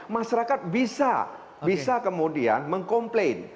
masyarakat bisa bisa kemudian mengkomplain